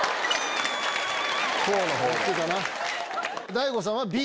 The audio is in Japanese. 大悟さんはＢ。